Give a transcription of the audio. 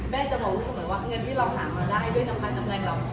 แม่จะบอกว่าเหมือนว่าเงินที่เราหามาได้ด้วยน้ำมันน้ำแรงเรา